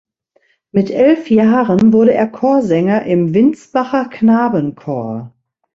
Mit elf Jahren wurde er Chorsänger im Windsbacher Knabenchor.